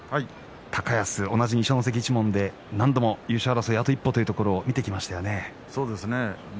高安、同じ二所ノ関一門何度も優勝争いにあと一歩というところを見てきましたね。